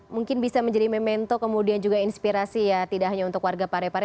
mungkin bisa menjadi memento kemudian juga inspirasi ya tidak hanya untuk warga parepare